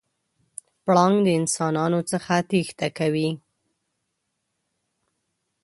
پړانګ د انسانانو څخه تېښته کوي.